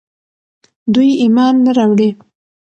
دوی ايمان نه راوړي